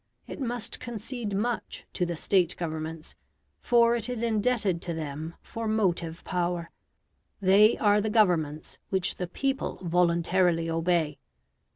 It must concede much to the State Governments, for it is indebted to them for motive power: they are the Governments which the people voluntarily obey.